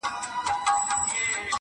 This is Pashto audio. یوه شپه غېږه د جانان او زما ټوله ځواني-